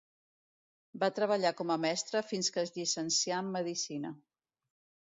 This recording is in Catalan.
Va treballar com a mestre fins que es llicencià en medicina.